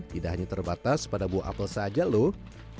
tidak hanya terbatas pada buah apel saja loh